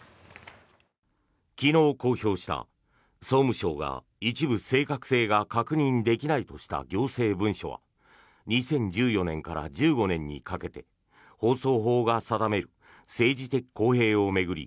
昨日公表した総務省が一部、正確性が確認できないとした行政文書は２０１４年から１５年にかけて放送法が定める政治的公平を巡り